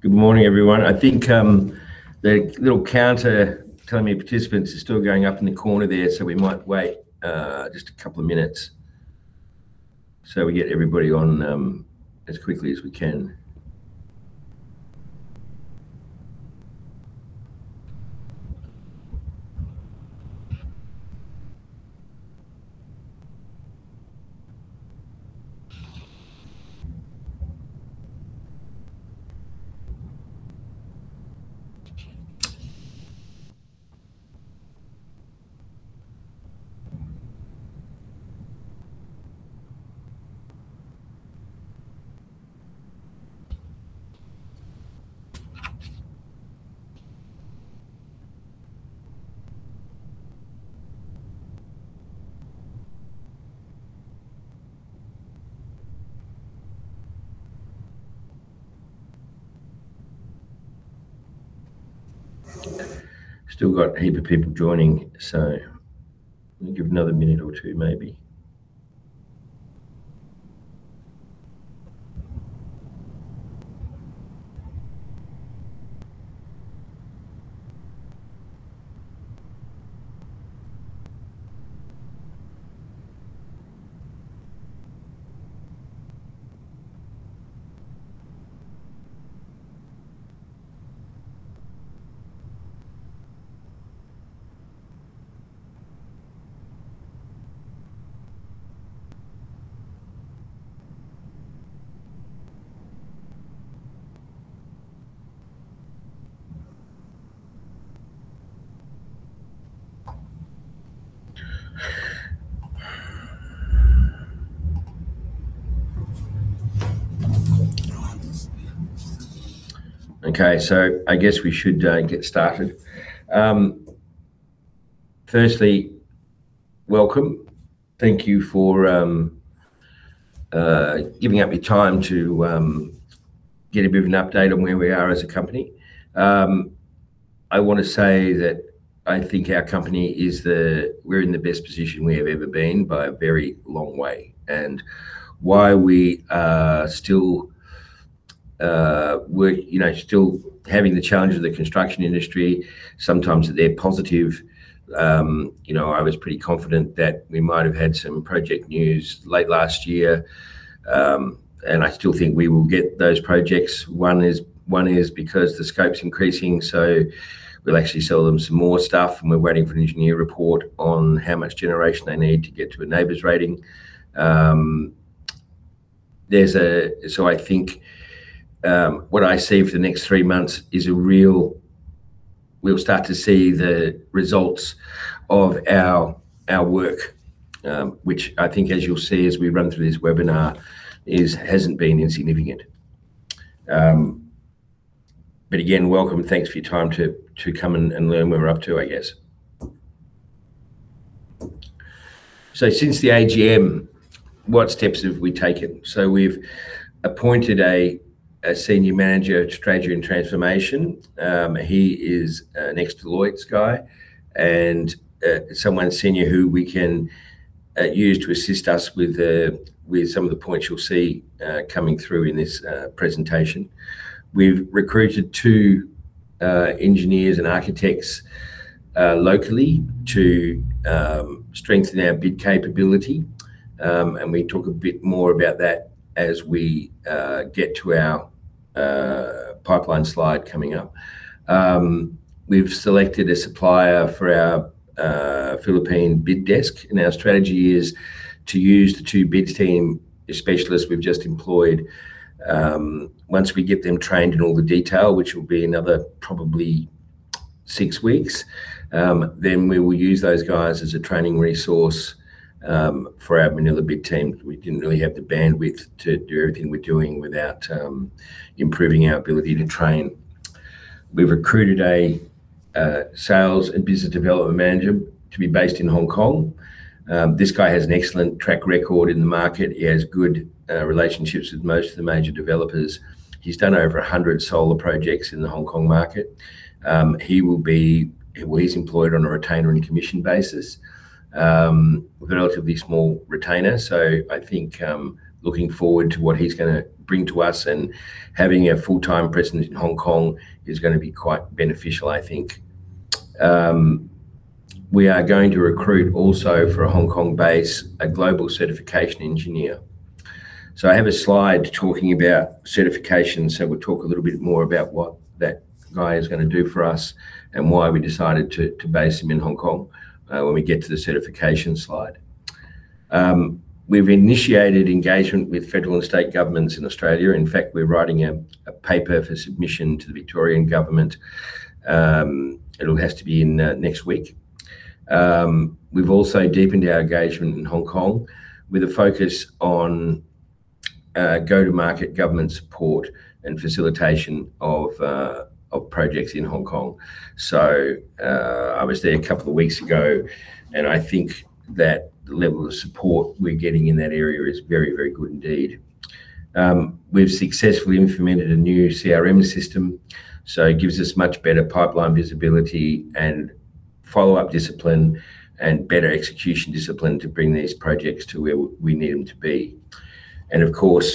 Good morning, everyone. I think the little counter telling me participants is still going up in the corner there, so we might wait just a couple of minutes, so we get everybody on as quickly as we can. Still got a heap of people joining, so I'll give it another minute or two, maybe. Okay, so I guess we should get started. Firstly, welcome. Thank you for giving up your time to get a bit of an update on where we are as a company. I wanna say that I think our company is the-- we're in the best position we have ever been by a very long way. And while we are still, we're, you know, still having the challenge of the construction industry, sometimes they're positive. You know, I was pretty confident that we might have had some project news late last year, and I still think we will get those projects. One is, one is because the scope's increasing, so we'll actually sell them some more stuff, and we're waiting for an engineer report on how much generation they need to get to a NABERS rating. There's a-- I think what I see for the next three months is a real-- we'll start to see the results of our, our work, which I think as you'll see, as we run through this webinar, is, hasn't been insignificant. Again, welcome, and thanks for your time to, to come and, and learn where we're up to, I guess. Since the AGM, what steps have we taken? We've appointed a, a senior manager of strategy and transformation. He is an ex-Deloitte guy and someone senior who we can use to assist us with some of the points you'll see coming through in this presentation. We've recruited two engineers and architects locally to strengthen our bid capability. We talk a bit more about that as we get to our pipeline slide coming up. We've selected a supplier for our Philippine bid desk, and our strategy is to use the two bid team specialists we've just employed. Once we get them trained in all the detail, which will be another probably six weeks, then we will use those guys as a training resource for our Manila bid team. We didn't really have the bandwidth to do everything we're doing without improving our ability to train. We've recruited a sales and business development manager to be based in Hong Kong. This guy has an excellent track record in the market. He has good relationships with most of the major developers. He's done over 100 solar projects in the Hong Kong market. Well, he's employed on a retainer and commission basis. A relatively small retainer, so I think, looking forward to what he's gonna bring to us, and having a full-time presence in Hong Kong is gonna be quite beneficial, I think. We are going to recruit also for a Hong Kong base, a global certification engineer. So I have a slide talking about certification, so we'll talk a little bit more about what that guy is gonna do for us and why we decided to base him in Hong Kong when we get to the certification slide. We've initiated engagement with federal and state governments in Australia. In fact, we're writing a paper for submission to the Victorian government. It all has to be in next week. We've also deepened our engagement in Hong Kong with a focus on go-to-market government support and facilitation of projects in Hong Kong. So I was there a couple of weeks ago, and I think that the level of support we're getting in that area is very, very good indeed. We've successfully implemented a new CRM system, so it gives us much better pipeline visibility and-... follow-up discipline and better execution discipline to bring these projects to where we need them to be. And of course,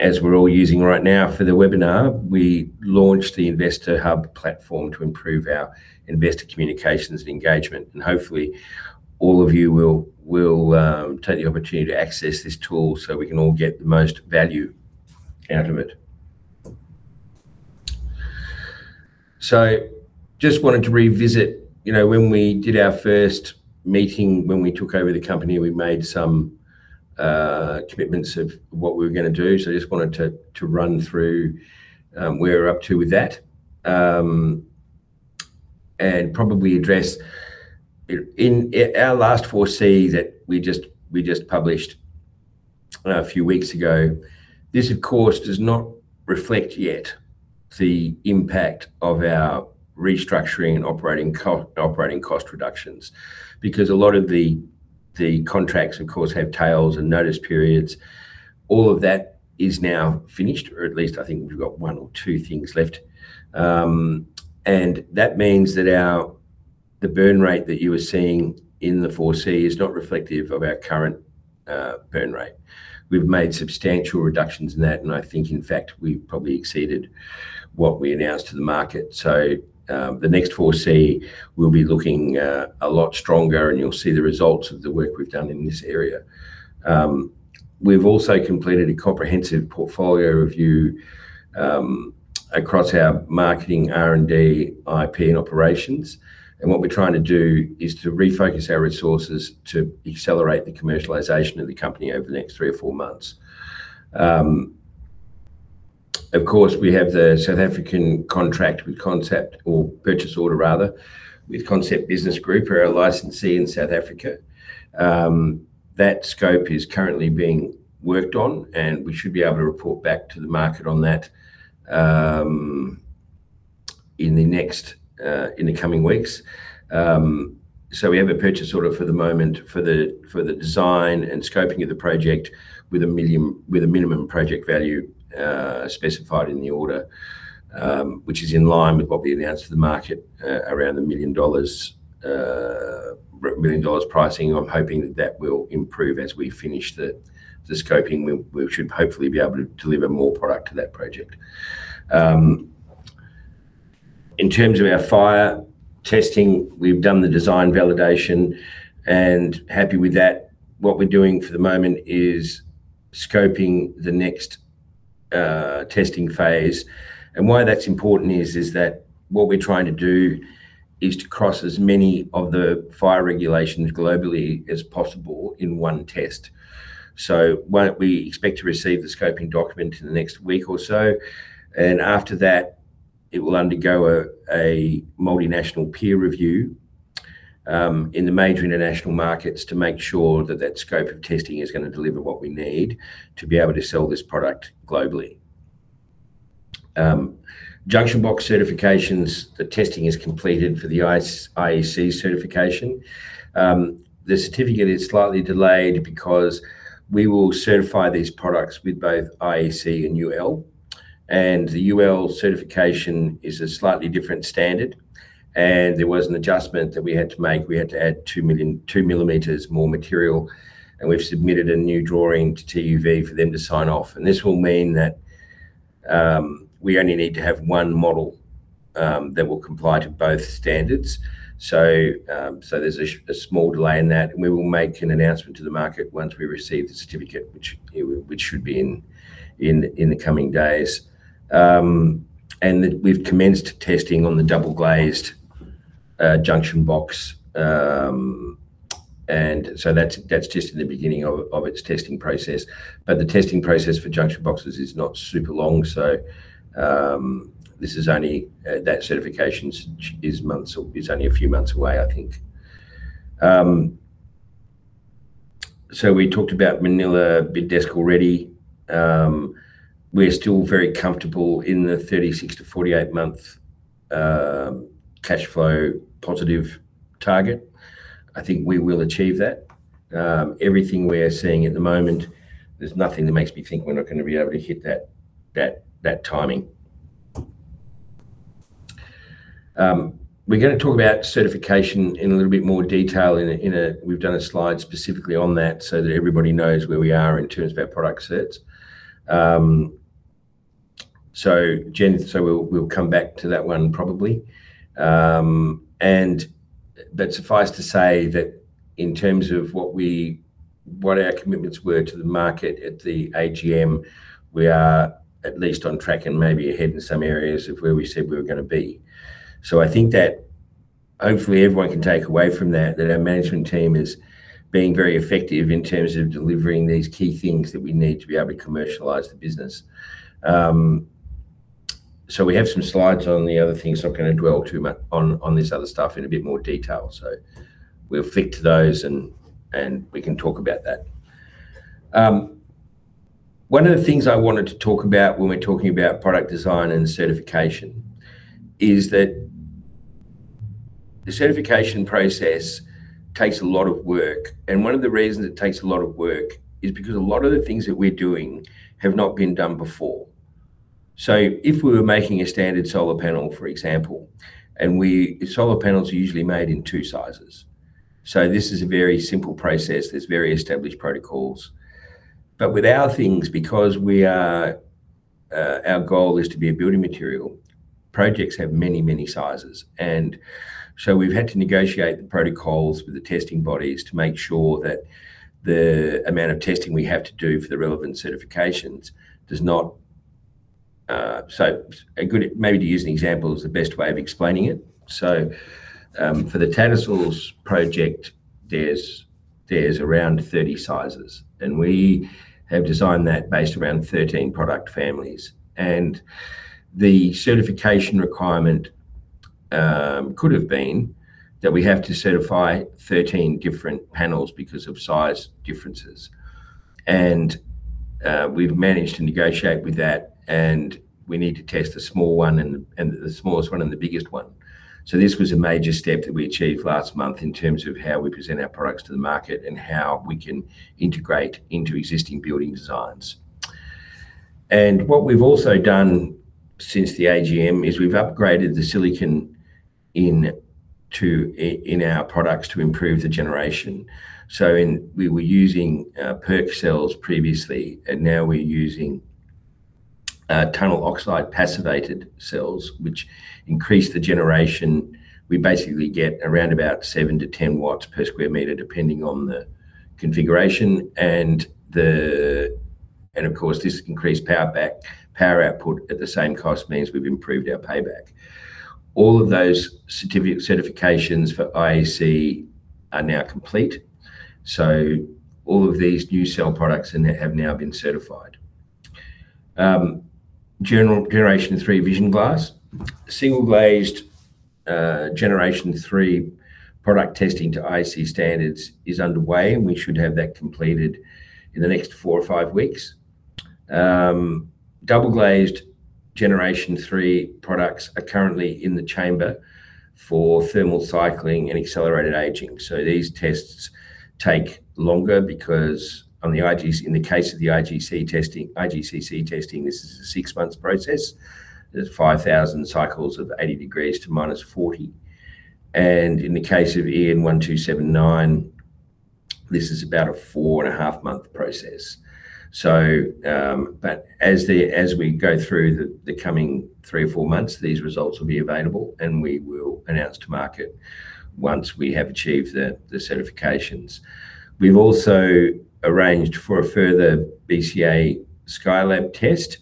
as we're all using right now for the webinar, we launched the Investor Hub platform to improve our investor communications and engagement. And hopefully, all of you will take the opportunity to access this tool so we can all get the most value out of it. So just wanted to revisit, you know, when we did our first meeting, when we took over the company, we made some commitments of what we were gonna do. So I just wanted to run through where we're up to with that. And probably address in our last 4C that we just published a few weeks ago. This, of course, does not reflect yet the impact of our restructuring and operating cost reductions. Because a lot of the contracts, of course, have tails and notice periods. All of that is now finished, or at least I think we've got one or two things left. That means that the burn rate that you were seeing in the 4C is not reflective of our current burn rate. We've made substantial reductions in that, and I think, in fact, we probably exceeded what we announced to the market. The next 4C will be looking a lot stronger, and you'll see the results of the work we've done in this area. We've also completed a comprehensive portfolio review across our marketing, R&D, IP, and operations. What we're trying to do is to refocus our resources to accelerate the commercialization of the company over the next three or four months. Of course, we have the South African contract with Concept, or purchase order rather, with Concept Business Group. We're a licensee in South Africa. That scope is currently being worked on, and we should be able to report back to the market on that in the coming weeks. So we have a purchase order for the moment for the design and scoping of the project, with a minimum project value specified in the order. Which is in line with what we announced to the market around 1 million dollars, 1 million dollars pricing. I'm hoping that will improve as we finish the scoping. We should hopefully be able to deliver more product to that project. In terms of our fire testing, we've done the design validation and happy with that. What we're doing for the moment is scoping the next testing phase. And why that's important is that what we're trying to do is to cross as many of the fire regulations globally as possible in one test. We expect to receive the scoping document in the next week or so, and after that, it will undergo a multinational peer review in the major international markets, to make sure that that scope of testing is gonna deliver what we need to be able to sell this product globally. Junction box certifications. The testing is completed for the IEC certification. The certificate is slightly delayed because we will certify these products with both IEC and UL, and the UL certification is a slightly different standard, and there was an adjustment that we had to make. We had to add two millimeters more material, and we've submitted a new drawing to TÜV for them to sign off. This will mean that we only need to have one model that will comply to both standards. So there's a small delay in that, and we will make an announcement to the market once we receive the certificate, which should be in the coming days. That we've commenced testing on the double-glazed junction box. So that's just in the beginning of its testing process. The testing process for junction boxes is not super long, so this is only, that certification is months, is only a few months away, I think. We talked about Manila Bid Desk already. We're still very comfortable in the 36 to 48 month cash flow positive target. I think we will achieve that. Everything we're seeing at the moment, there's nothing that makes me think we're not gonna be able to hit that, that, that timing. We're gonna talk about certification in a little bit more detail in a, in a-- We've done a slide specifically on that so that everybody knows where we are in terms of our product sets. So Jen, we'll come back to that one, probably. But suffice to say that in terms of what we, what our commitments were to the market at the AGM, we are at least on track and maybe ahead in some areas of where we said we were gonna be. So I think that hopefully everyone can take away from that, that our management team is being very effective in terms of delivering these key things that we need to be able to commercialize the business. So we have some slides on the other things. I'm not gonna dwell too much on, on this other stuff in a bit more detail, so we'll flick to those and, and we can talk about that. One of the things I wanted to talk about when we're talking about product design and certification, is that the certification process takes a lot of work, and one of the reasons it takes a lot of work is because a lot of the things that we're doing have not been done before... So if we were making a standard solar panel, for example, and we, solar panels are usually made in two sizes. So this is a very simple process, there's very established protocols. But with our things, because we are, our goal is to be a building material, projects have many, many sizes. So we've had to negotiate the protocols with the testing bodies to make sure that the amount of testing we have to do for the relevant certifications does not. Maybe to use an example is the best way of explaining it. So, for the Tattersalls project, there's around 30 sizes, and we have designed that based around 13 product families. The certification requirement could have been that we have to certify 13 different panels because of size differences. We've managed to negotiate with that, and we need to test a small one, the smallest one, and the biggest one. So this was a major step that we achieved last month in terms of how we present our products to the market and how we can integrate into existing building designs. And what we've also done since the AGM is we've upgraded the silicon into our products to improve the generation. So we were using PERC cells previously, and now we're using tunnel oxide passivated cells, which increase the generation. We basically get around about 7 to 10 watts per square meter, depending on the configuration and the. And of course, this increased power output at the same cost means we've improved our payback. All of those certifications for IEC are now complete, so all of these new cell products have now been certified. Gen 3 Vision Glass. Single glazed Gen 3 product testing to IEC standards is underway, and we should have that completed in the next 4 or 5 weeks. Double glazed Gen 3 products are currently in the chamber for thermal cycling and accelerated aging. These tests take longer because in the case of the IGCC testing, this is a six-month process. There's 5,000 cycles of 80 degrees to minus 40. In the case of EN 1279, this is about a four-and-a-half-month process. As we go through the coming three or four months, these results will be available, and we will announce to market once we have achieved the certifications. We've also arranged for a further BCA SkyLab test,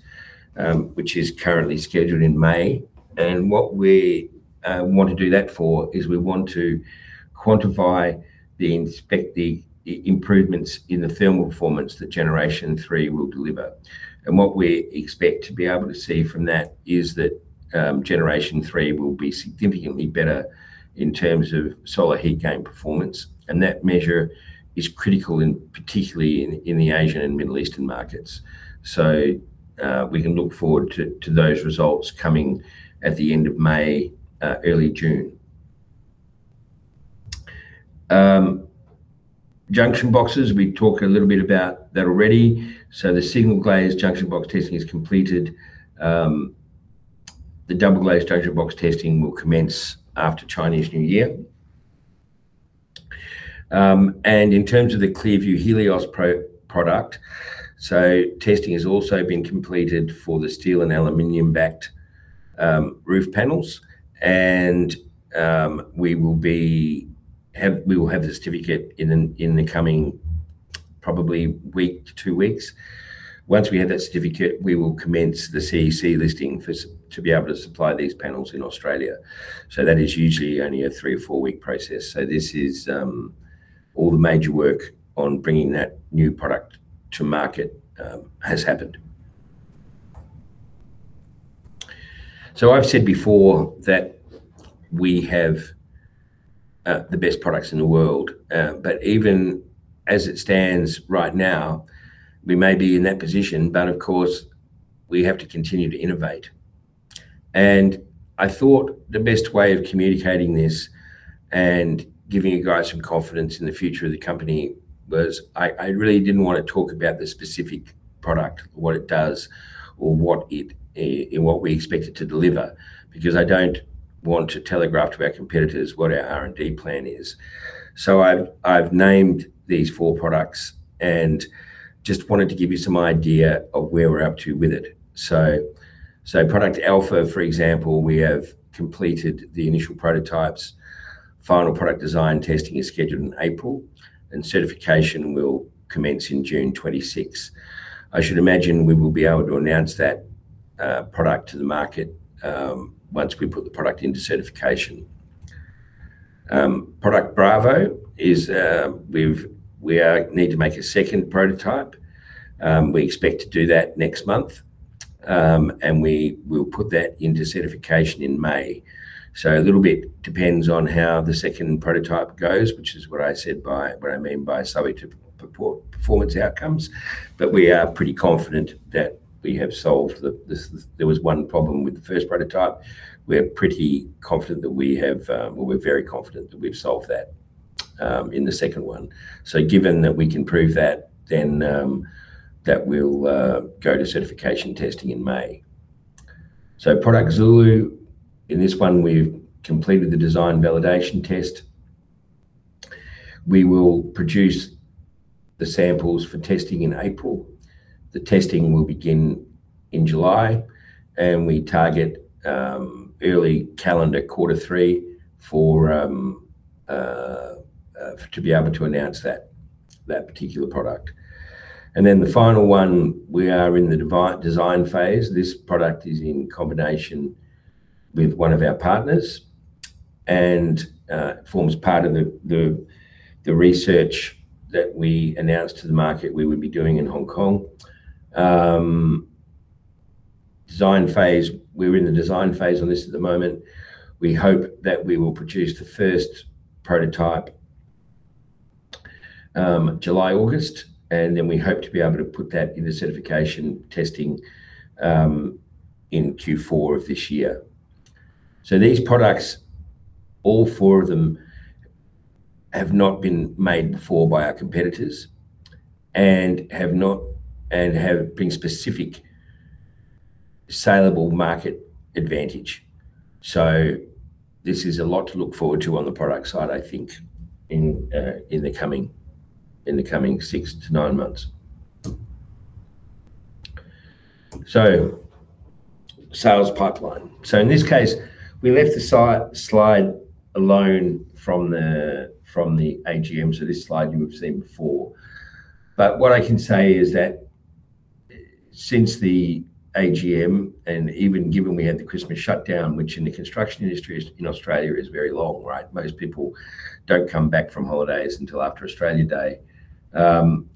which is currently scheduled in May. What we want to do that for is we want to quantify the improvements in the thermal performance that Generation 3 will deliver. What we expect to be able to see from that is that, Generation three will be significantly better in terms of solar heat gain performance, and that measure is critical, particularly in the Asian and Middle Eastern markets. So, we can look forward to those results coming at the end of May, early June. Junction boxes, we talked a little bit about that already. So the single-glazed junction box testing is completed. The double-glazed junction box testing will commence after Chinese New Year. And in terms of the ClearVue Helios product, testing has also been completed for the steel and aluminum-backed roof panels, and we will have the certificate in the coming, probably week to two weeks. Once we have that certificate, we will commence the CEC listing to be able to supply these panels in Australia. That is usually only a three or four-week process. All the major work on bringing that new product to market has happened. I've said before that we have the best products in the world, but even as it stands right now, we may be in that position, but of course, we have to continue to innovate. I thought the best way of communicating this and giving you guys some confidence in the future of the company was, I really didn't want to talk about the specific product, what it does, or what we expect it to deliver, because I don't want to telegraph to our competitors what our R&D plan is. I've named these four products and just wanted to give you some idea of where we're up to with it. Product Alpha, for example, we have completed the initial prototypes. Final product design testing is scheduled in April, and certification will commence in June 2026. I should imagine we will be able to announce that product to the market once we put the product into certification. Product Bravo is, we've-- we need to make a second prototype. We expect to do that next month, and we will put that into certification in May. A little bit depends on how the second prototype goes, which is what I mean by subject to performance outcomes. We are pretty confident that we have solved the, there was one problem with the first prototype. We're pretty confident that we have, well, we're very confident that we've solved that in the second one. So given that we can prove that, then, that will go to certification testing in May. So product Zulu, in this one, we've completed the design validation test. We will produce the samples for testing in April. The testing will begin in July, and we target early calendar quarter three for to be able to announce that particular product. And then the final one, we are in the design phase. This product is in combination with one of our partners and forms part of the research that we announced to the market we would be doing in Hong Kong. Design phase. We're in the design phase on this at the moment. We hope that we will produce the first prototype, July, August, and then we hope to be able to put that into certification testing in Q4 of this year. So these products, all 4 of them, have not been made before by our competitors and have been specific salable market advantage. So this is a lot to look forward to on the product side, I think, in the coming six to nine months. So sales pipeline. So in this case, we left the slide alone from the AGM. So this slide you have seen before. But what I can say is that since the AGM, and even given we had the Christmas shutdown, which in the construction industry in Australia is very long, right? Most people don't come back from holidays until after Australia Day.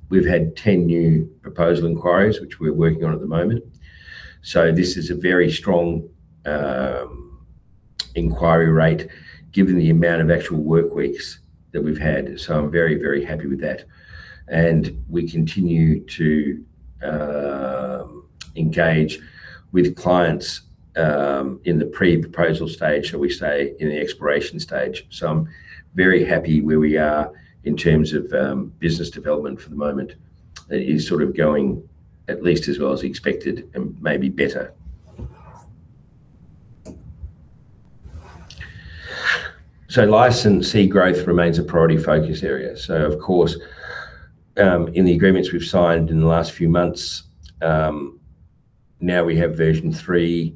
We've had 10 new proposal inquiries, which we're working on at the moment. So this is a very strong inquiry rate given the amount of actual work weeks that we've had. So I'm very, very happy with that. And we continue to engage with clients in the pre-proposal stage, shall we say, in the exploration stage. So I'm very happy where we are in terms of business development for the moment. It is sort of going at least as well as expected and maybe better. So licensee growth remains a priority focus area. So of course, in the agreements we've signed in the last few months, now we have version 3,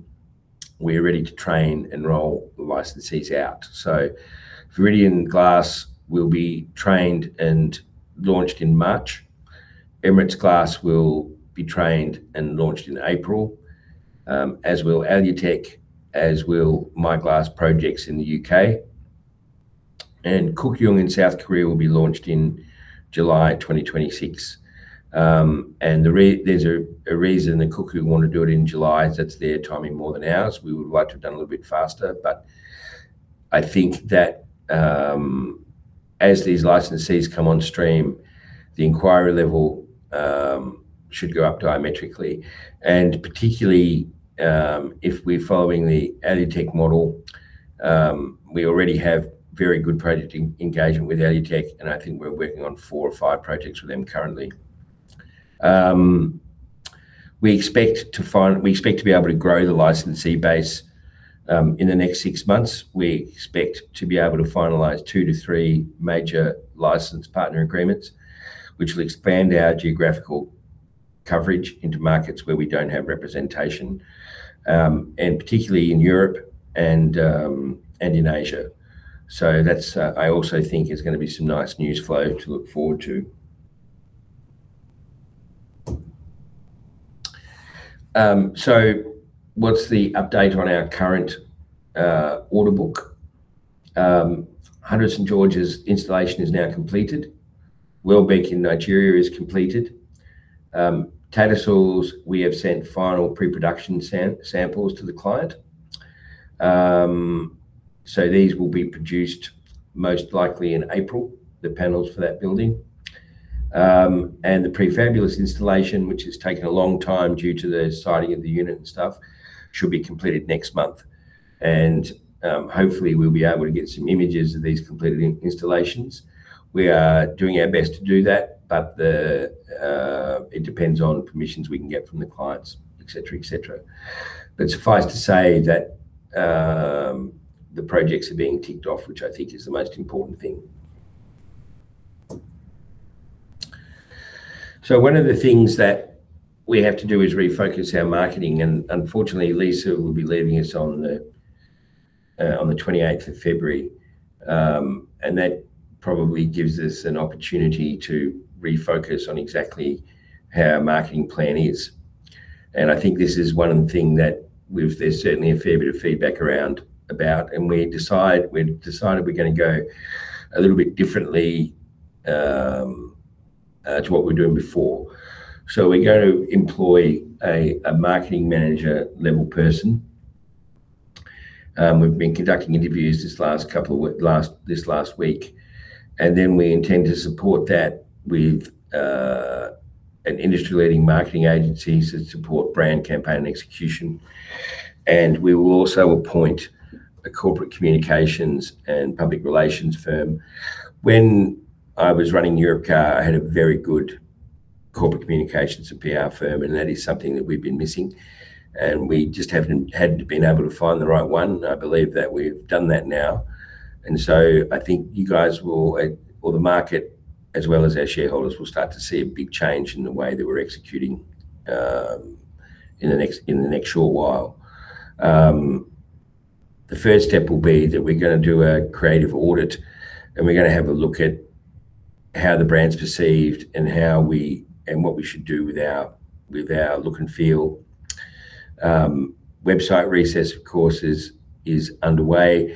we're ready to train and roll the licensees out. So Viridian Glass will be trained and launched in March. Emirates Glass will be trained and launched in April, as will Alutec, as will My Glass Projects in the UK, and Kook-Young in South Korea will be launched in July 2026. And there's a reason that Kook-Young want to do it in July, that's their timing more than ours. We would like to have done a little bit faster, but I think that as these licensees come on stream, the inquiry level should go up diametrically, and particularly if we're following the Alutec model. We already have very good project engagement with Alutec, and I think we're working on four or five projects with them currently. We expect to be able to grow the licensee base in the next six months. We expect to be able to finalize two to three major license partner agreements, which will expand our geographical coverage into markets where we don't have representation, and particularly in Europe and in Asia. So that's, I also think is gonna be some nice news flow to look forward to. So what's the update on our current order book? Hundreds and George's installation is now completed. Welbeck in Nigeria is completed. Tattersalls, we have sent final pre-production samples to the client. So these will be produced most likely in April, the panels for that building. And the Prefabulous installation, which has taken a long time due to the siting of the unit and stuff, should be completed next month, and, hopefully, we'll be able to get some images of these completed installations. We are doing our best to do that, but it depends on permissions we can get from the clients, et cetera, et cetera. But suffice to say that the projects are being ticked off, which I think is the most important thing. So one of the things that we have to do is refocus our marketing, and unfortunately, Lisa will be leaving us on the twenty-eighth of February. And that probably gives us an opportunity to refocus on exactly how our marketing plan is. And I think this is one of the thing. There's certainly a fair bit of feedback around, about, and we've decided we're gonna go a little bit differently to what we were doing before. So we're going to employ a marketing manager-level person. We've been conducting interviews this last couple of weeks, this last week, and we intend to support that with an industry-leading marketing agency that supports brand campaign execution. We will also appoint a corporate communications and public relations firm. When I was running Europcar, I had a very good corporate communications and PR firm, and that is something that we've been missing, and we just haven't been able to find the right one. I believe that we've done that now, and I think you guys will, or the market, as well as our shareholders, will start to see a big change in the way that we're executing in the next short while. The first step will be that we're gonna do a creative audit, and we're gonna have a look at how the brand's perceived and what we should do with our look and feel. Website refresh, of course, is underway.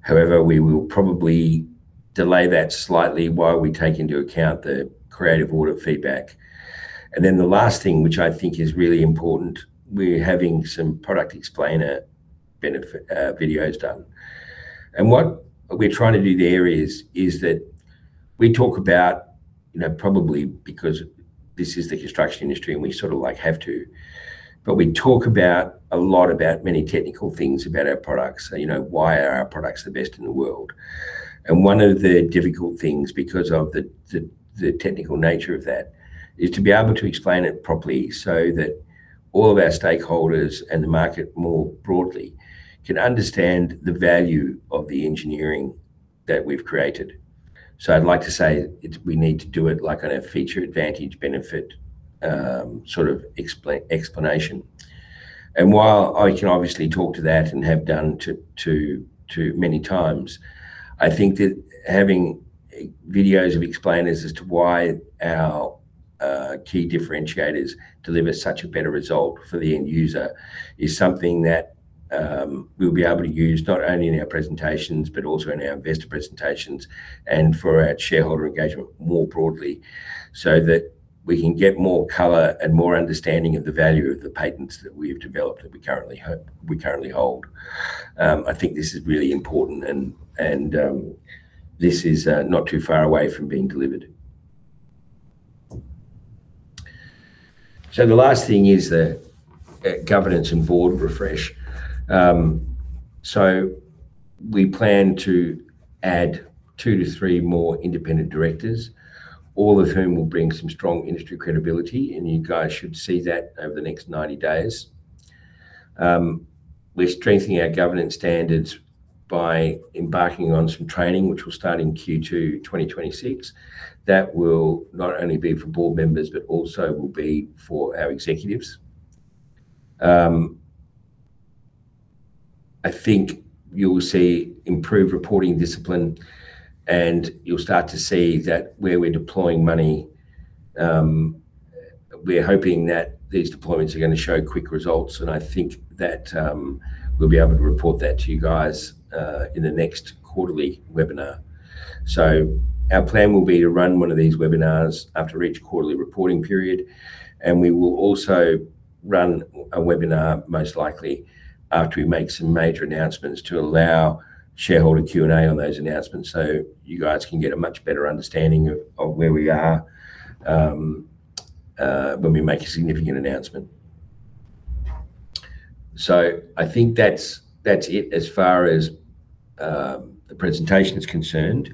However, we will probably delay that slightly while we take into account the creative audit feedback. Then the last thing, which I think is really important, we're having some product explainer benefit videos done. And what we're trying to do there is that we talk about, you know, probably because this is the construction industry, and we sort of, like, have to, but we talk about many technical things about our products. You know, why are our products the best in the world? One of the difficult things, because of the technical nature of that, is to be able to explain it properly so that all of our stakeholders and the market, more broadly, can understand the value of the engineering that we've created. I'd like to say, we need to do it, like, on a feature advantage benefit, sort of explanation. While I can obviously talk to that and have done to many times, I think that having videos of explainers as to why our key differentiators deliver such a better result for the end user is something that we'll be able to use not only in our presentations, but also in our investor presentations and for our shareholder engagement more broadly. So that we can get more color and more understanding of the value of the patents that we have developed, that we currently hold. I think this is really important, and this is not too far away from being delivered. So the last thing is the governance and board refresh. So we plan to add two to three more independent directors, all of whom will bring some strong industry credibility, and you guys should see that over the next 90 days. We're strengthening our governance standards by embarking on some training, which will start in Q2, 2026. That will not only be for board members, but also will be for our executives. I think you'll see improved reporting discipline, and you'll start to see that where we're deploying money, we're hoping that these deployments are gonna show quick results, and I think that we'll be able to report that to you guys in the next quarterly webinar. So our plan will be to run one of these webinars after each quarterly reporting period, and we will also run a webinar, most likely, after we make some major announcements, to allow shareholder Q&A on those announcements. So you guys can get a much better understanding of where we are when we make a significant announcement. So I think that's it, as far as the presentation is concerned.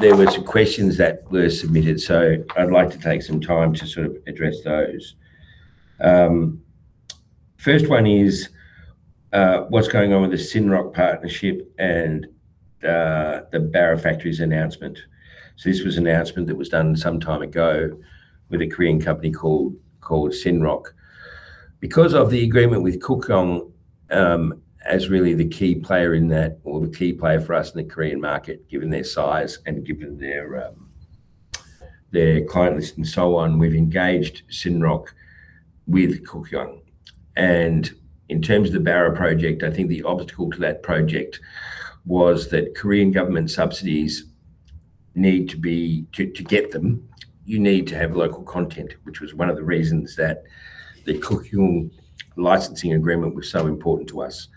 There were some questions that were submitted, so I'd like to take some time to sort of address those. First one is, "What's going on with the Synrock partnership and the Barra Factories announcement?" So this was an announcement that was done some time ago with a Korean company called Synrock. Because of the agreement with Kook-Young, as really the key player in that or the key player for us in the Korean market, given their size and given their their client list and so on, we've engaged Synrock with Kook-Young. And in terms of the Barra project, I think the obstacle to that project was that Korean government subsidies need to be to get them, you need to have local content, which was one of the reasons that the Kook-Young licensing agreement was so important to us.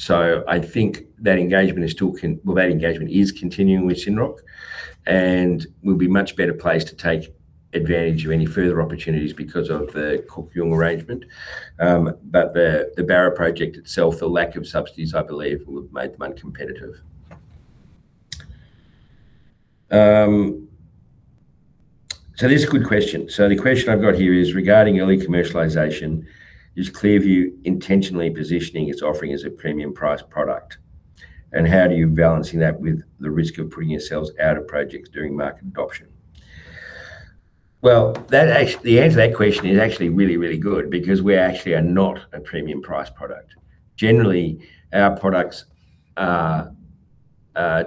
So I think that engagement is still continuing with Synrock, and we'll be much better placed to take advantage of any further opportunities because of the Kook-Young arrangement. But the Barra project itself, the lack of subsidies, I believe, would have made them uncompetitive. This is a good question. So the question I've got here is: "Regarding early commercialization, is ClearVue intentionally positioning its offering as a premium price product? And how do you balancing that with the risk of putting yourselves out of projects during market adoption?" Well, that actually the answer to that question is actually really, really good because we actually are not a premium price product. Generally, our products are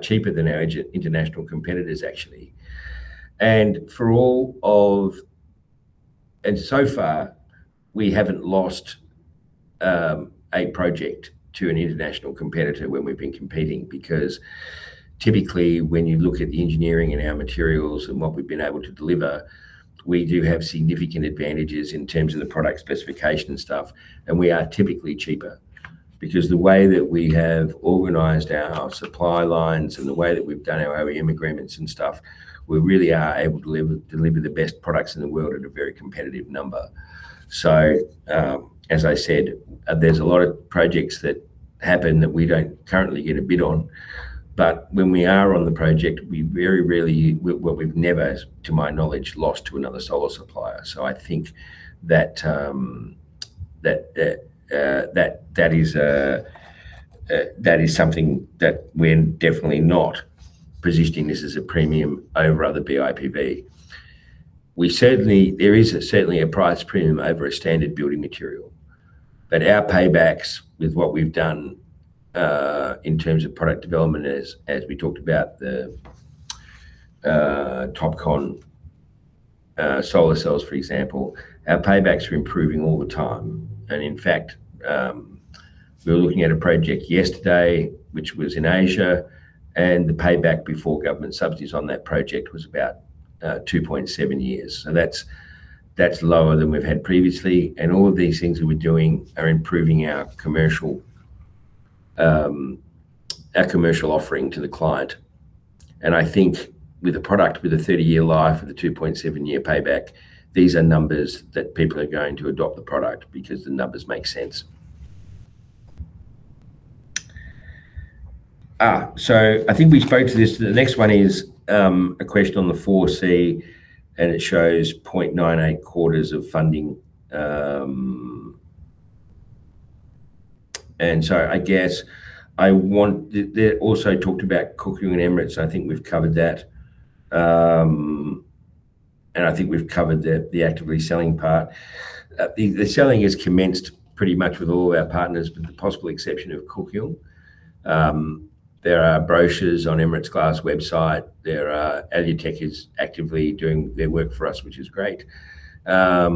cheaper than our international competitors, actually. And so far, we haven't lost. A project to an international competitor when we've been competing. Because typically, when you look at the engineering and our materials and what we've been able to deliver, we do have significant advantages in terms of the product specification and stuff, and we are typically cheaper. Because the way that we have organized our supply lines and the way that we've done our OEM agreements and stuff, we really are able to deliver the best products in the world at a very competitive number. So, as I said, there's a lot of projects that happen that we don't currently get a bid on. But when we are on the project, we very rarely, well, we've never, to my knowledge, lost to another solar supplier. So I think that is something that we're definitely not positioning this as a premium over other BIPV. We certainly. There is certainly a price premium over a standard building material, but our paybacks with what we've done in terms of product development, as we talked about the TOPCon solar cells, for example, our paybacks are improving all the time. And in fact, we were looking at a project yesterday, which was in Asia, and the payback before government subsidies on that project was about 2.7 years. So that's lower than we've had previously, and all of these things that we're doing are improving our commercial offering to the client. I think with a product with a 30-year life and a 2.7-year payback, these are numbers that people are going to adopt the product because the numbers make sense. So I think we spoke to this. The next one is a question on the 4C, and it shows 0.98 quarters of funding. And so they also talked about Kook-Young and Emirates. I think we've covered that. And I think we've covered the actively selling part. The selling has commenced pretty much with all our partners, with the possible exception of Kook-Young. There are brochures on Emirates Glass website. Alutec is actively doing their work for us, which is great. I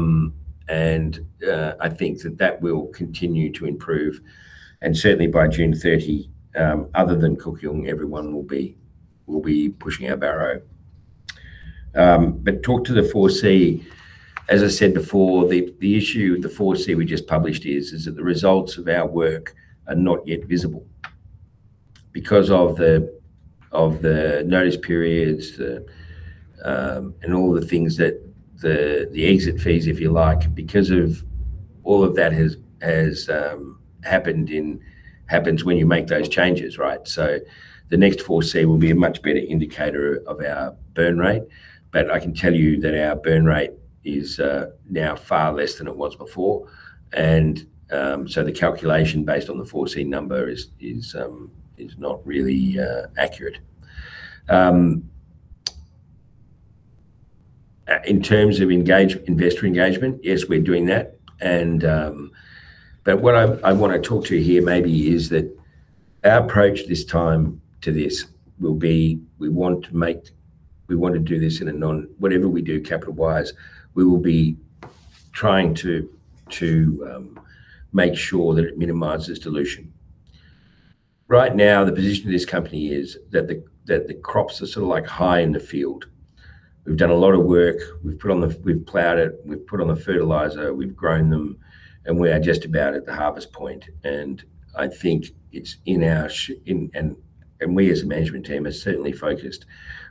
think that that will continue to improve, and certainly by June 30, other than Kook-Young, everyone will be pushing our barrow. But talk to the 4C. As I said before, the issue with the 4C we just published is that the results of our work are not yet visible. Because of the notice periods, and all the things that the exit fees, if you like, because of all of that has happened in—happens when you make those changes, right? So the next 4C will be a much better indicator of our burn rate. But I can tell you that our burn rate is now far less than it was before. And so the calculation based on the 4C number is not really accurate. In terms of engage, investor engagement, yes, we're doing that. But what I want to talk to you here maybe is that our approach this time to this will be, we want to make—we want to do this in a non... Whatever we do, capital-wise, we will be trying to make sure that it minimizes dilution. Right now, the position of this company is that the crops are sort of like high in the field. We've done a lot of work. We've put on the, we've plowed it, we've put on the fertilizer, we've grown them, and we are just about at the harvest point. I think it's in our sh-- and we as a management team are certainly focused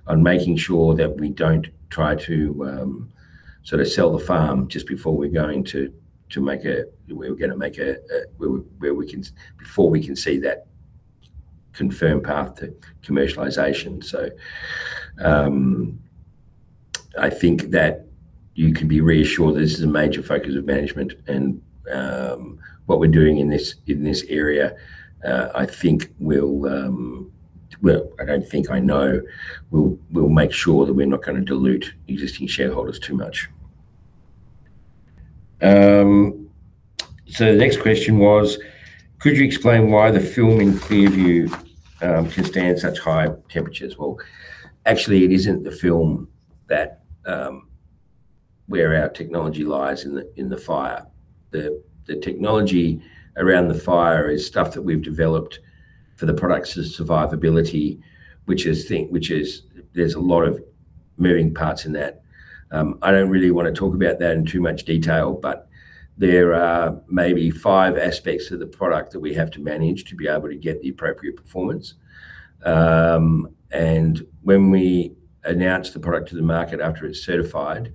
on making sure that we don't try to sort of sell the farm just before we're going to make a, we're gonna make a, a, where we, where we can, before we can see that confirmed path to commercialization. I think that you can be reassured this is a major focus of management and what we're doing in this area, I think will, well, I don't think, I know, we'll make sure that we're not gonna dilute existing shareholders too much. The next question was: Could you explain why the film in ClearVue can stand such high temperatures? Well, actually, it isn't the film that, where our technology lies in the fire. The technology around the fire is stuff that we've developed for the product's survivability, which is thing, which is-- there's a lot of moving parts in that. I don't really want to talk about that in too much detail, but there are maybe five aspects to the product that we have to manage to be able to get the appropriate performance. When we announce the product to the market after it's certified,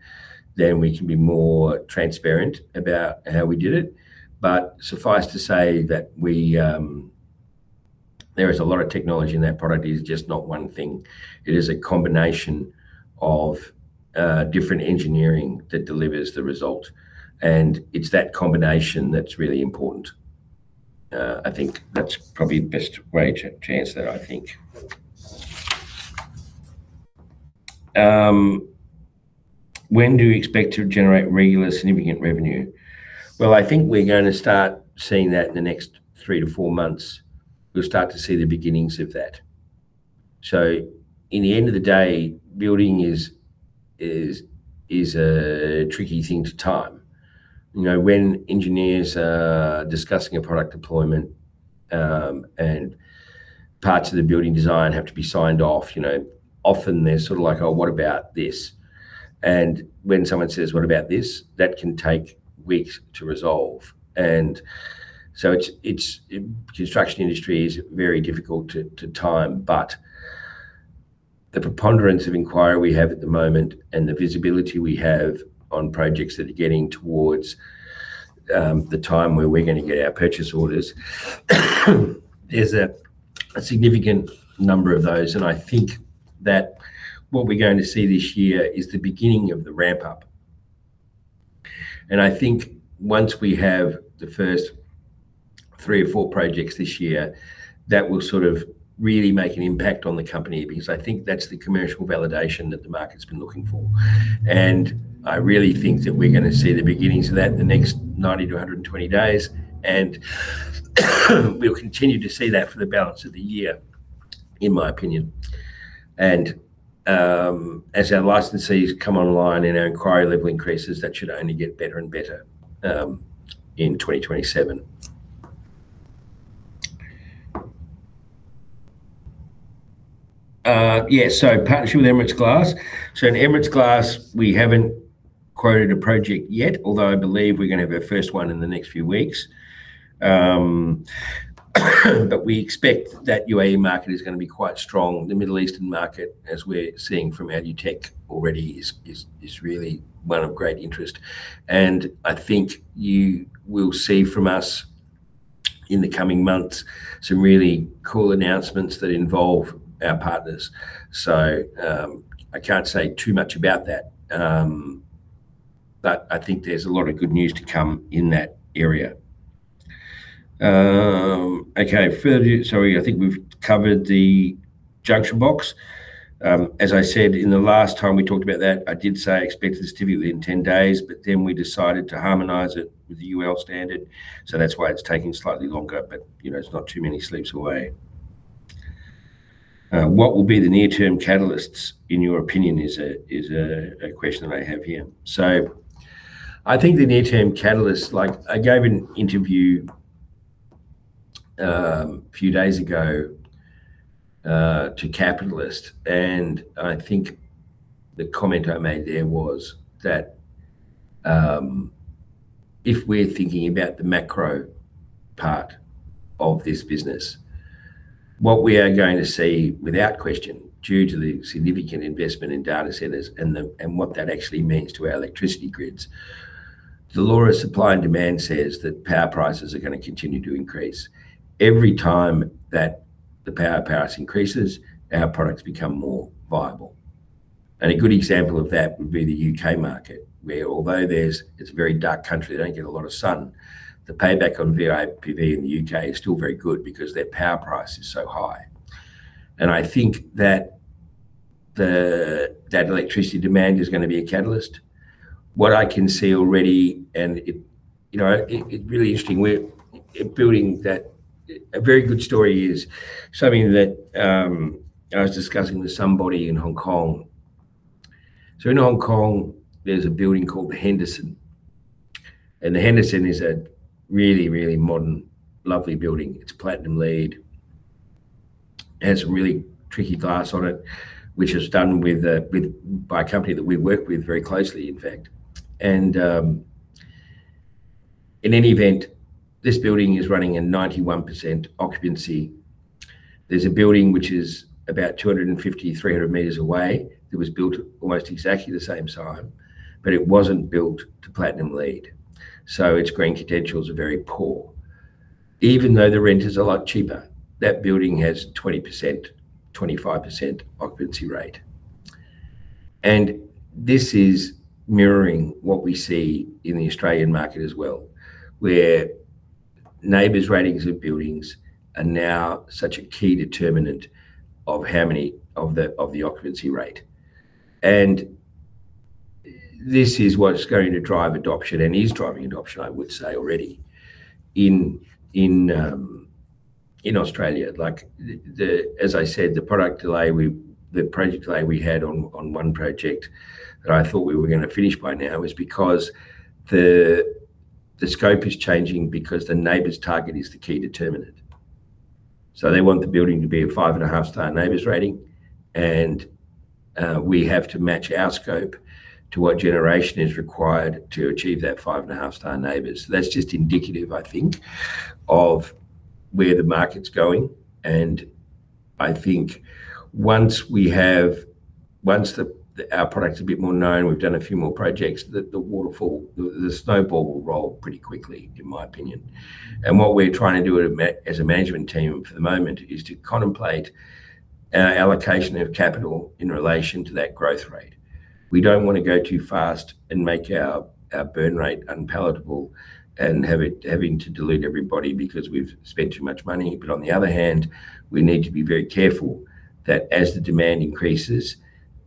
we can be more transparent about how we did it. Suffice to say that there is a lot of technology in that product. It is just not one thing. It is a combination of different engineering that delivers the result, and it's that combination that's really important. I think that's probably the best way to answer that, I think. When do you expect to generate regular, significant revenue? Well, I think we're gonna start seeing that in the next three to four months. We'll start to see the beginnings of that. So in the end of the day, building is a tricky thing to time. You know, when engineers are discussing a product deployment, and parts of the building design have to be signed off, you know, often they're sort of like: "Oh, what about this?" And when someone says, "What about this?" That can take weeks to resolve. So it's the construction industry is very difficult to time, but the preponderance of inquiry we have at the moment and the visibility we have on projects that are getting towards the time where we're going to get our purchase orders. There's a significant number of those. I think that what we're going to see this year is the beginning of the ramp up. I think once we have the first 3 or 4 projects this year, that will sort of really make an impact on the company, because I think that's the commercial validation that the market's been looking for. I really think that we're gonna see the beginnings of that in the next 90-120 days, and we'll continue to see that for the balance of the year, in my opinion. And, as our licensees come online and our inquiry level increases, that should only get better and better, in 2027. Yeah, so partnership with Emirates Glass. So in Emirates Glass, we haven't quoted a project yet, although I believe we're gonna have our first one in the next few weeks. But we expect that UAE market is gonna be quite strong. The Middle Eastern market, as we're seeing from Alutec already, is really one of great interest. And I think you will see from us in the coming months, some really cool announcements that involve our partners. So, I can't say too much about that, but I think there's a lot of good news to come in that area. Okay, further, sorry, I think we've covered the junction box. As I said in the last time we talked about that, I did say I expected to see it within 10 days, but then we decided to harmonize it with the UL standard, so that's why it's taking slightly longer. But, you know, it's not too many sleeps away. "What will be the near-term catalysts, in your opinion?" is a question that I have here. So I think the near-term catalyst, like, I gave an interview, a few days ago, to Capitalist, and I think the comment I made there was that, if we're thinking about the macro part of this business, what we are going to see, without question, due to the significant investment in data centers and what that actually means to our electricity grids. The law of supply and demand says that power prices are gonna continue to increase. Every time that the power price increases, our products become more viable. And a good example of that would be the U.K. market, where although it's a very dark country, they don't get a lot of sun, the payback on BIPV in the U.K. is still very good because their power price is so high. And I think that that electricity demand is gonna be a catalyst. What I can see already, and it, you know, it, it's really interesting, we're building that. A very good story is something that I was discussing with somebody in Hong Kong. So in Hong Kong, there's a building called The Henderson. And The Henderson is a really, really modern, lovely building. It's Platinum LEED. It has some really tricky glass on it, which is done by a company that we work with very closely, in fact. In any event, this building is running a 91% occupancy. There's a building which is about 250-300 meters away, that was built almost exactly the same time, but it wasn't built to Platinum LEED, so its green credentials are very poor. Even though the rent is a lot cheaper, that building has 20%-25% occupancy rate. And this is mirroring what we see in the Australian market as well, where NABERS ratings of buildings are now such a key determinant of the occupancy rate. And this is what's going to drive adoption and is driving adoption, I would say, already. In Australia, like, as I said, the project delay we had on one project that I thought we were gonna finish by now, is because the scope is changing because the NABERS target is the key determinant. So they want the building to be a five-and-a-half-star NABERS rating, and we have to match our scope to what generation is required to achieve that five-and-a-half-star NABERS. That's just indicative, I think, of where the market's going, and I think once our product is a bit more known, we've done a few more projects, the waterfall, the snowball will roll pretty quickly, in my opinion. And what we're trying to do as a management team for the moment, is to contemplate our allocation of capital in relation to that growth rate. We don't want to go too fast and make our burn rate unpalatable and have it, having to dilute everybody because we've spent too much money. But on the other hand, we need to be very careful that as the demand increases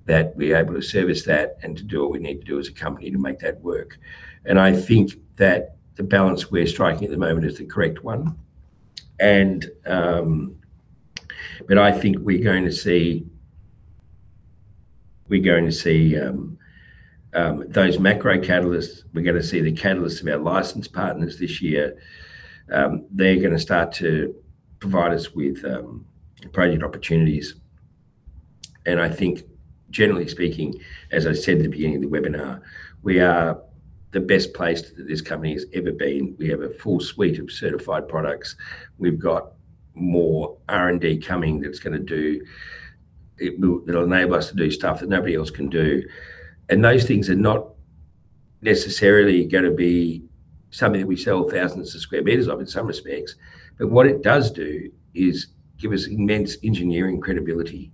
that we're able to service that and to do what we need to do as a company to make that work. And I think that the balance we're striking at the moment is the correct one. And, but I think we're going to see, we're going to see those macro catalysts. We're gonna see the catalysts of our license partners this year. They're gonna start to provide us with project opportunities. And I think, generally speaking, as I said at the beginning of the webinar, we are the best placed that this company has ever been. We have a full suite of certified products. We've got more R&D coming that's gonna do it will, it'll enable us to do stuff that nobody else can do. And those things are not necessarily gonna be something that we sell thousands of square meters of, in some respects. But what it does do is give us immense engineering credibility.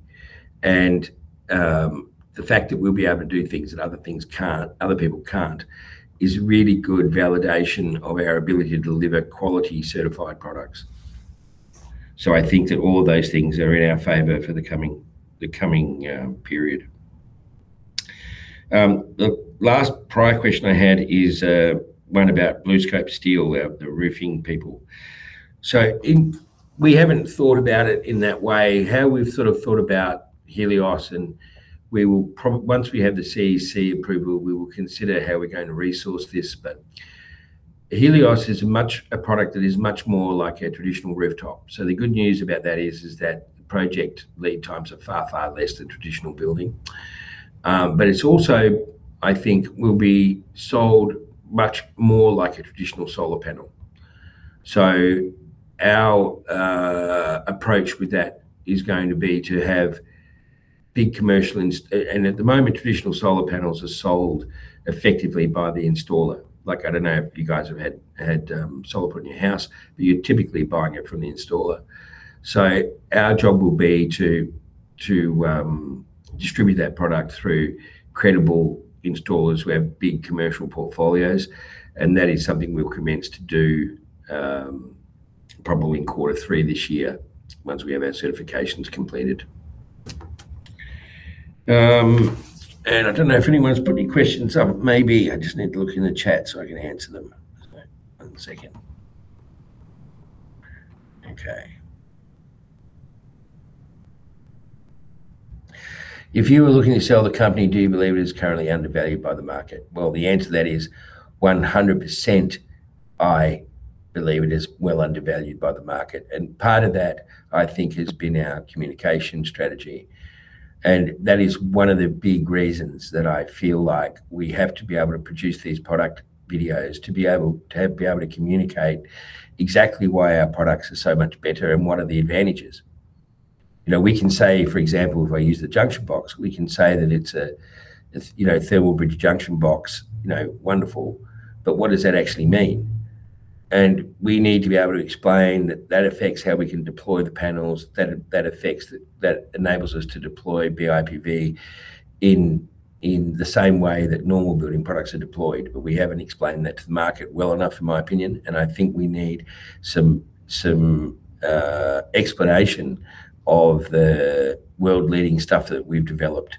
And the fact that we'll be able to do things that other things can't, other people can't, is really good validation of our ability to deliver quality certified products. So I think that all of those things are in our favor for the coming, the coming, period. The last prior question I had is one about BlueScope Steel, the roofing people. So we haven't thought about it in that way. How we've sort of thought about Helios, and we will once we have the CEC approval, we will consider how we're gonna resource this. But Helios is much a product that is much more like our traditional rooftop. So the good news about that is that project lead times are far, far less than traditional building. But it's also, I think, will be sold much more like a traditional solar panel. So our approach with that is going to be to have big commercial inst and at the moment, traditional solar panels are sold effectively by the installer. Like, I don't know if you guys have had solar put in your house, but you're typically buying it from the installer. So our job will be to distribute that product through credible installers who have big commercial portfolios, and that is something we'll commence to do, probably in quarter three this year, once we have our certifications completed. And I don't know if anyone's put any questions up. Maybe I just need to look in the chat so I can answer them. One second. Okay. If you were looking to sell the company, do you believe it is currently undervalued by the market? Well, the answer to that is 100%, I believe it is well undervalued by the market. And part of that, I think, has been our communication strategy. That is one of the big reasons that I feel like we have to be able to produce these product videos, to be able to communicate exactly why our products are so much better and what are the advantages. You know, we can say, for example, if I use the junction box, we can say that it's a, it's, you know, thermal bridge junction box. You know, wonderful. What does that actually mean? We need to be able to explain that that affects how we can deploy the panels, that that affects, that enables us to deploy BIPV in the same way that normal building products are deployed. We haven't explained that to the market well enough, in my opinion, and I think we need some explanation of the world-leading stuff that we've developed.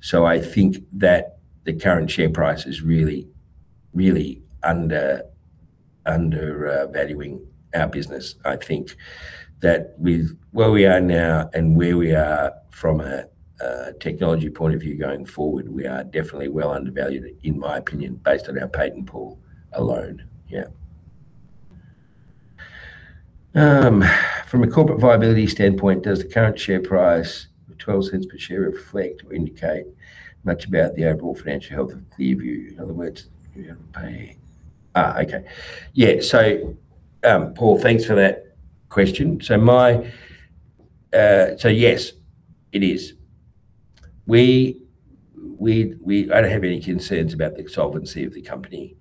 So I think that the current share price is really, really under, undervaluing our business. I think that with where we are now and where we are from a technology point of view going forward, we are definitely well undervalued, in my opinion, based on our patent pool alone. Yeah. From a corporate viability standpoint, does the current share price of 0.12 per share reflect or indicate much about the overall financial health of ClearVue? In other words, you have a pay... Ah, okay. Yeah, so, Paul, thanks for that question. So my, so yes, it is. We I don't have any concerns about the solvency of the company.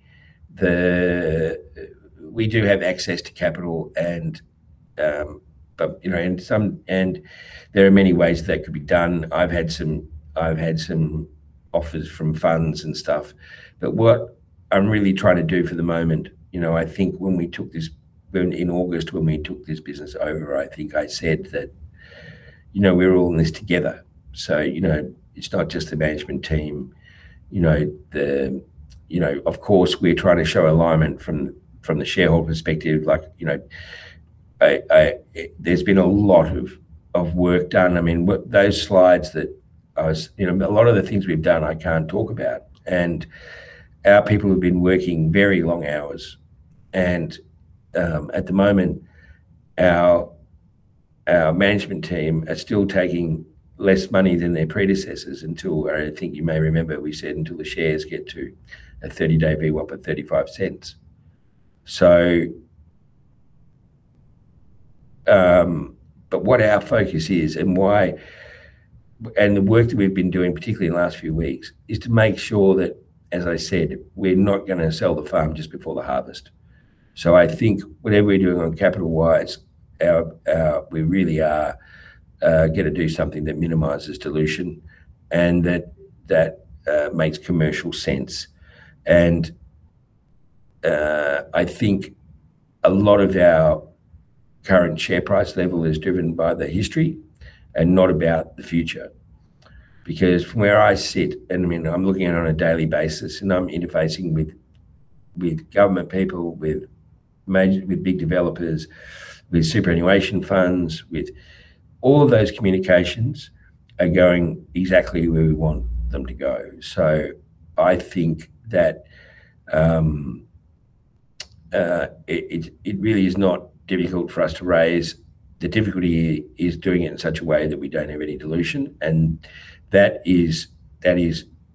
We do have access to capital and, but, you know, and some, and there are many ways that could be done. I've had some offers from funds and stuff, but what I'm really trying to do for the moment, you know, I think when we took this in August, when we took this business over, I think I said that, you know, we're all in this together. So, you know, it's not just the management team, you know... Of course, we're trying to show alignment from the shareholder perspective. Like, you know, there's been a lot of work done. I mean, what, those slides that I was, you know, a lot of the things we've done, I can't talk about. Our people have been working very long hours, and at the moment, our management team are still taking less money than their predecessors until, I think you may remember, we said until the shares get to a 30-day VWAP at AUD 0.35. What our focus is and why, and the work that we've been doing, particularly in the last few weeks, is to make sure that, as I said, we're not gonna sell the farm just before the harvest. I think whatever we're doing on capital-wise, we really are gonna do something that minimizes dilution and that makes commercial sense. I think a lot of our current share price level is driven by the history and not about the future. Because from where I sit, I mean, I'm looking at it on a daily basis, and I'm interfacing with government people, with major with big developers, with superannuation funds, with all of those communications are going exactly where we want them to go. So I think that really is not difficult for us to raise. The difficulty is doing it in such a way that we don't have any dilution, and that is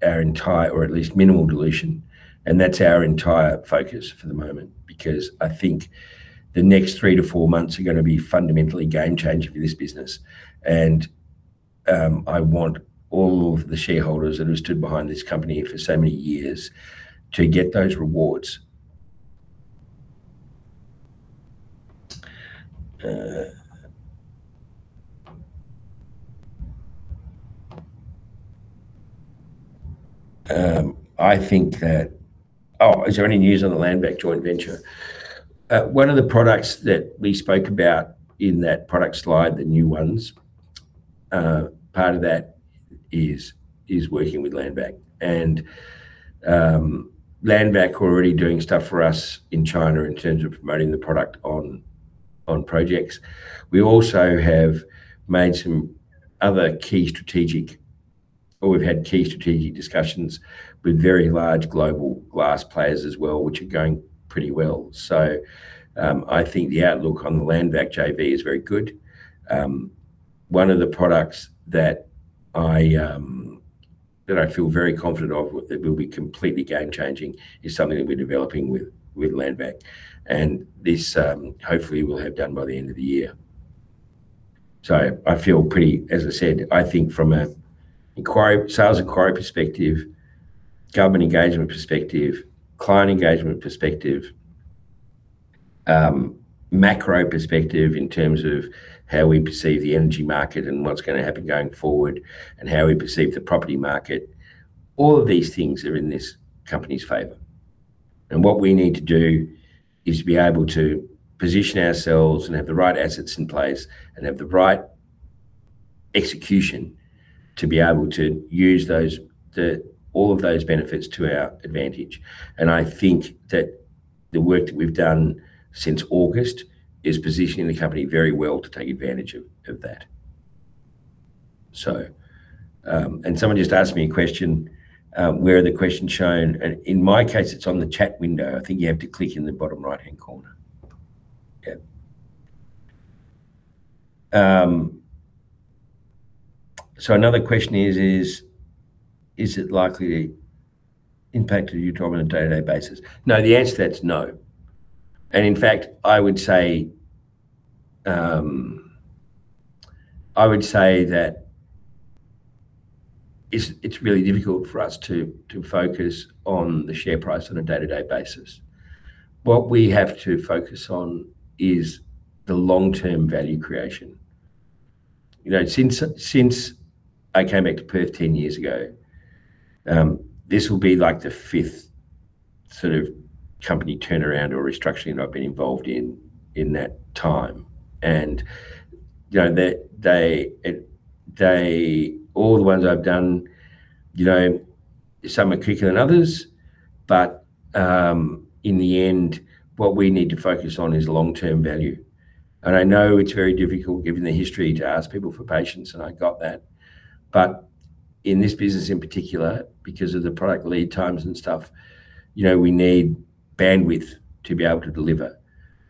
our entire or at least minimal dilution, and that's our entire focus for the moment. Because I think the next three to four months are gonna be fundamentally game-changing for this business, and I want all of the shareholders that have stood behind this company for so many years to get those rewards. Oh, is there any news on the LandGlass joint venture? One of the products that we spoke about in that product slide, the new ones, part of that is working with LandGlass. And LandGlass are already doing stuff for us in China in terms of promoting the product on projects. We also have made some other key strategic, or we've had key strategic discussions with very large global glass players as well, which are going pretty well. So, I think the outlook on the LandGlass JV is very good. One of the products that I feel very confident of, that will be completely game-changing, is something that we're developing with LandGlass. And this, hopefully we'll have done by the end of the year. I feel pretty-- As I said, I think from a inquiry, sales inquiry perspective, government engagement perspective, client engagement perspective, macro perspective in terms of how we perceive the energy market and what's gonna happen going forward, and how we perceive the property market, all of these things are in this company's favor. What we need to do is be able to position ourselves and have the right assets in place, and have the right execution to be able to use those, all of those benefits to our advantage. I think that the work that we've done since August is positioning the company very well to take advantage of that. Someone just asked me a question, where are the questions shown? In my case, it's on the chat window. I think you have to click in the bottom right-hand corner. Yeah. So another question is, "Is it likely to impact you talking on a day-to-day basis?" No, the answer to that is no. And in fact, I would say that it's really difficult for us to focus on the share price on a day-to-day basis. What we have to focus on is the long-term value creation. You know, since I came back to Perth 10 years ago, this will be, like, the fifth sort of company turnaround or restructuring I've been involved in, in that time. And, you know, all the ones I've done, you know, some are quicker than others, but, in the end, what we need to focus on is long-term value. I know it's very difficult, given the history, to ask people for patience, and I got that. In this business in particular, because of the product lead times and stuff, you know, we need bandwidth to be able to deliver.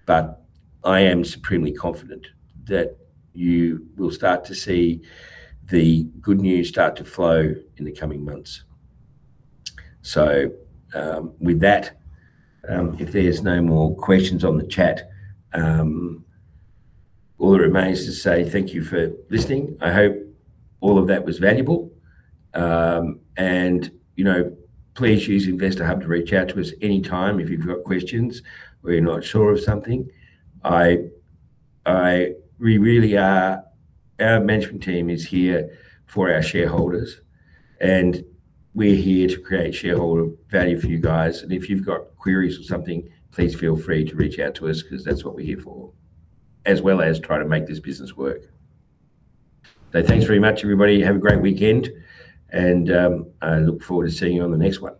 But I am supremely confident that you will start to see the good news start to flow in the coming months. With that, if there's no more questions on the chat, all that remains is to say thank you for listening. I hope all of that was valuable. And, you know, please use Investor Hub to reach out to us anytime if you've got questions, or you're not sure of something. We really are. Our management team is here for our shareholders, and we're here to create shareholder value for you guys. And if you've got queries or something, please feel free to reach out to us, 'cause that's what we're here for, as well as try to make this business work. So thanks very much, everybody. Have a great weekend, and I look forward to seeing you on the next one.